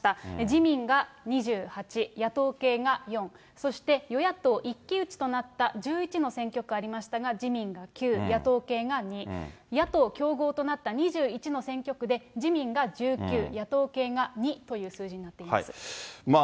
自民が２８、野党系が４、そして与野党一騎打ちとなった１１の選挙区ありましたが、自民が９、野党系が２。野党競合となった２１の選挙区で、自民が１９、野党系が２という数字になっています。